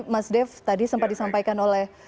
mas dev tadi sempat disampaikan oleh